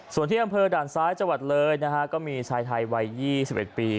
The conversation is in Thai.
ส่วนที่อำเภอด่านซ้ายจังหวัดเลยนะฮะก็มีชายไทยวัย๒๑ปี